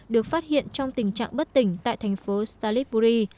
được phát hiện trong tình trạng bất tỉnh tại thành phố stalypury